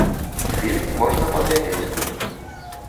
Фільм можна паглядзець тут.